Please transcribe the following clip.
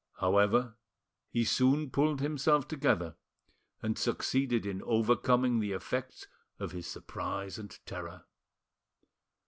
However, he soon pulled himself together, and succeeded in overcoming the effects of his surprise and terror.